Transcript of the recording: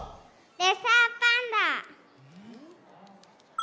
レッサーパンダ。